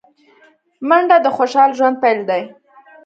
منډه د خوشال ژوند پيل دی